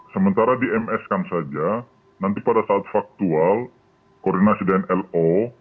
sementara di ms kan saja nanti pada saat faktual koordinasi dengan lo